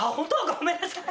ごめんなさい。